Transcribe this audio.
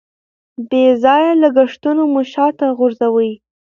بې ځایه لګښتونه مو شاته غورځوي.